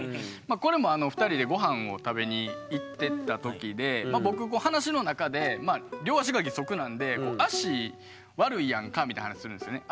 これも２人でごはんを食べに行ってた時で僕話の中で両足が義足なんでみたいな話するんですよね。